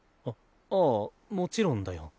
あああもちろんだよ。